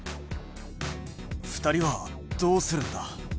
２人はどうするんだ？